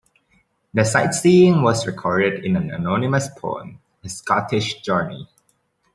Their sight-seeing was recorded in an anonymous poem, "A Scottish Journie".